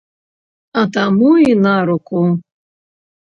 А таму й наруку.